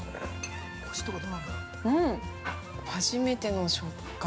◆初めての食感。